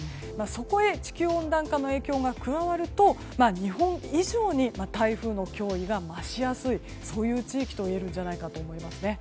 そこへ地球温暖化の影響が加わると日本以上に台風の脅威が増しやすいそういう地域といえるんじゃないかと思います。